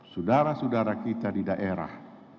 sudara sudara kita di daerah